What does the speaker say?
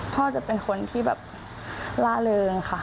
พ่อจะเป็นคนที่แบบล่าเริงค่ะ